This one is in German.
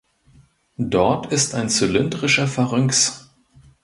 Dort ist ein zylindrischer Pharynx.